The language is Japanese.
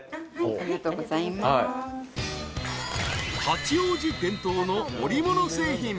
［八王子伝統の織物製品］